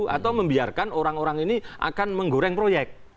atau membiarkan orang orang ini akan menggoreng proyek